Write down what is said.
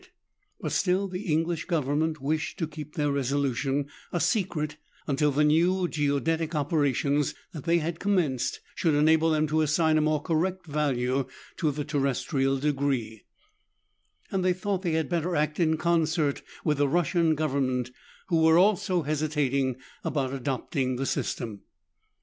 But still the English Government wished to keep their resolution a secret until the new geodetic operations that they had commenced should enable them to assign a more correct value to the terrestrial degree, and they thought they had better act in concert with the Russian Government, who were also hesitating about adopting the system.